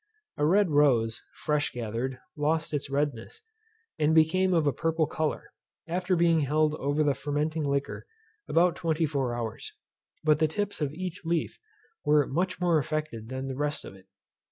A red rose, fresh gathered, lost its redness, and became of a purple colour, after being held over the fermenting liquor about twenty four hours; but the tips of each leaf were much more affected than the rest of it.